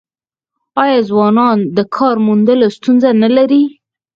آیا ځوانان د کار موندلو ستونزه نلري؟